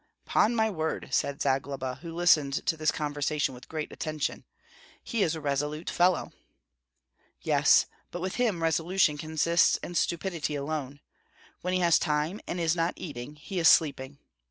"'Pon my word," said Zagloba, who listened to this conversation with great attention, "he is a resolute fellow." "Yes, but with him resolution consists in stupidity alone. When he has time, and is not eating, he is sleeping.